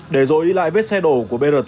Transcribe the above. để rối đi lại vết xe đổ của brt